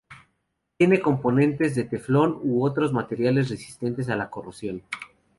Tiene componentes de teflón u otros materiales resistentes a la corrosión.